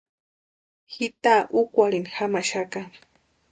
Ji taa úkwarhini jamaxaka.